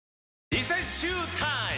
リセッシュータイム！